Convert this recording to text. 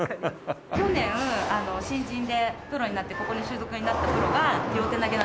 去年新人でプロになってここに所属になったプロが両手投げなんですよ。